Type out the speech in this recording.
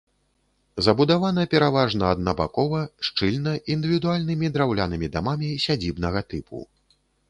Забудавана пераважна аднабакова, шчыльна, індывідуальнымі драўлянымі дамамі сядзібнага тыпу.